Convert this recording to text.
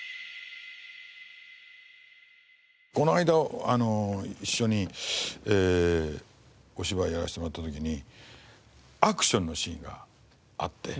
この間一緒にお芝居やらせてもらった時にアクションのシーンがあって。